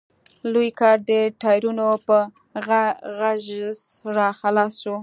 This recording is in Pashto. لوی ګټ د ټايرونو په غژس راخلاص شو.